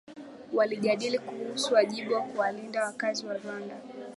walijadili kuhusu wajibu wa kuwalinda wakazi rwanda